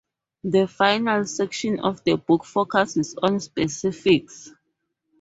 The final section of the book focuses on specifics.